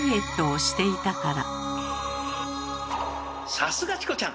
さすがチコちゃん！